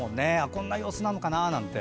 こんな様子なのかななんて。